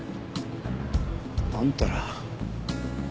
あんたら。